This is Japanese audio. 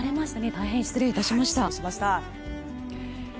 大変失礼いたしました。